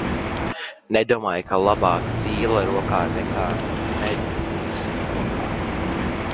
"Nedomāju, ka "labāk zīle rokā, nekā mednis kokā"."